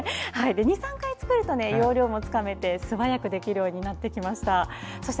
２３回作ると要領もつかめてすばやくできるようになってきました。